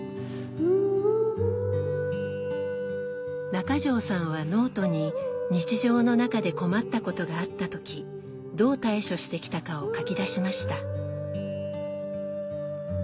中条さんはノートに日常の中で困ったことがあった時どう対処してきたかを書き出しました。